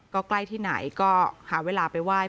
ก็ใกล้ที่ไหนก็หาเวลาไปว่าอย่าเสริมดวง